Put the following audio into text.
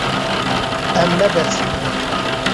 Em nabersivînin.